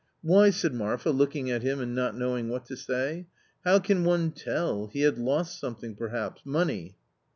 " Why 1 " said Marfa looking at him and not knowing what to say, "how can one tell, he had lost something, perhaps — money."